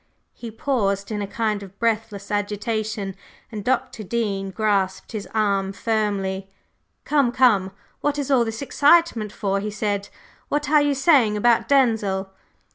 He paused in a kind of breathless agitation, and Dr. Dean grasped his arm firmly. "Come, come, what is all this excitement for?" he said. "What are you saying about Denzil?"